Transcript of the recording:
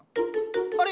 あれ？